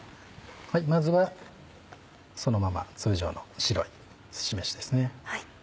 まずはそのまま通常の白いすし飯ですね。